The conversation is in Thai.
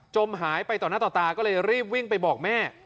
หายไปต่อหน้าต่อตาก็เลยรีบวิ่งไปบอกแม่